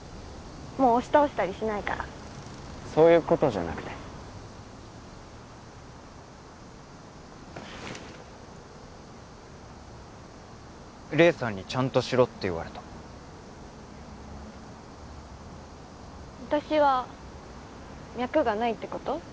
もう押し倒したりしないからそういうことじゃなくて黎さんにちゃんとしろって言われた私は脈がないってこと？